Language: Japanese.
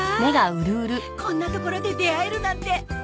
こんな所で出会えるなんて。